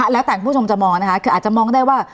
แล้วแต่คุณผู้ชมจะมองนะคะคืออาจจะมองได้ว่า